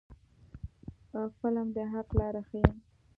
فلم د حق لاره ښيي